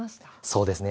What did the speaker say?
そうですね。